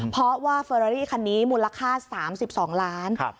เพราะว่าเฟอรารี่คันนี้มูลค่า๓๒ล้าน